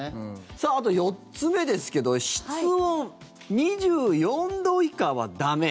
さあ、あと４つ目ですけど室温２４度以下は駄目。